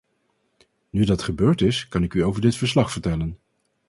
Nu dat gebeurd is, kan ik u over dit verslag vertellen.